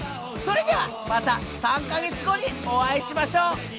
それではまた３カ月後にお会いしましょう。